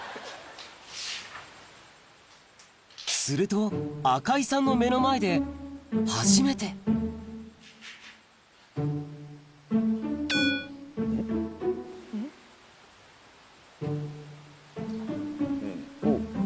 すると赤井さんの目の前で初めておっ？